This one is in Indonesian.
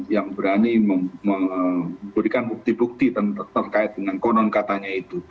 yang berani memberikan bukti bukti terkait dengan konon katanya itu